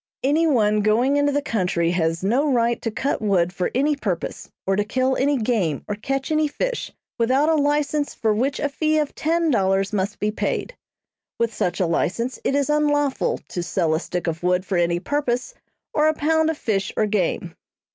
"Any one going into the country has no right to cut wood for any purpose, or to kill any game or catch any fish, without a license for which a fee of ten dollars must be paid. With such a license it is unlawful to sell a stick of wood for any purpose, or a pound of fish or game."